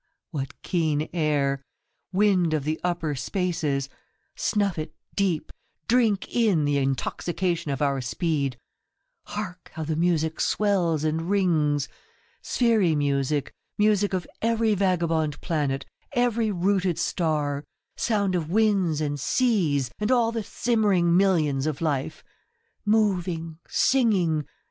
Ha, what keen air. Wind of the upper spaces. Snuff it deep, drink in the intoxication of our speed. Hark how the music swells and rings ... sphery music, music of every vagabond planet, every rooted star ; sound of winds and seas and all the simmering millions of life. Moving, singing